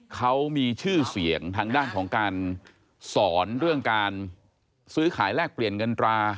เขามีชื่อเสียงทางด้านของการสอนเรื่องการซื้อขายแลกเปลี่ยนเงินตรา